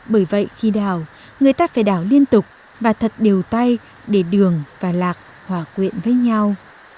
bởi vậy khi đảo người ta phải đảo liên tục và thật đều tay để đường và lạc hòa quyện với nhau